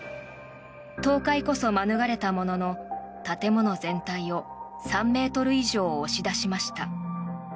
倒壊こそ免れたものの建物全体を３ｍ以上押し出しました。